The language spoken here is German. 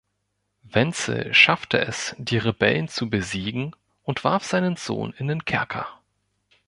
Wenzel schaffte es, die Rebellen zu besiegen, und warf seinen Sohn in den Kerker.